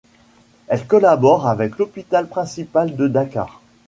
Elle collabore avec l’hôpital principal de Dakar.